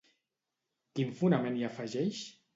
Quin fonament hi afegeix?